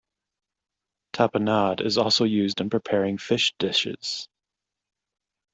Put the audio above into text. Tapenade is also used in preparing fish dishes.